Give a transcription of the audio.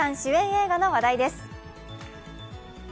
映画の話題です。